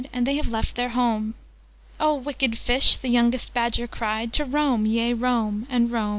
'And they have left their home!' 'Oh wicked Fish,' the Youngest Badger cried, 'To roam, yea, roam, and roam!'